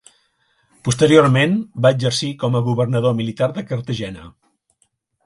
Posteriorment va exercir com a Governador militar de Cartagena.